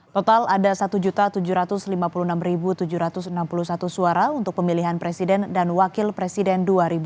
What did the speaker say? total ada satu tujuh ratus lima puluh enam tujuh ratus enam puluh satu suara untuk pemilihan presiden dan wakil presiden dua ribu sembilan belas